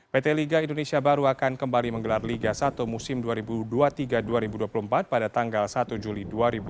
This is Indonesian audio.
pt liga indonesia baru akan kembali menggelar liga satu musim dua ribu dua puluh tiga dua ribu dua puluh empat pada tanggal satu juli dua ribu dua puluh